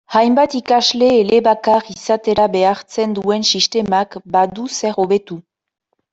Hainbat ikasle elebakar izatera behartzen duen sistemak badu zer hobetu.